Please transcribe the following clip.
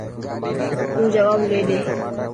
تون جواب لي ڏي.